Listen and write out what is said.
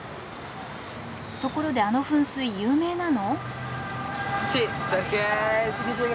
ところであの噴水有名なの？